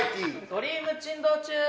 「ドリーム珍道中！」。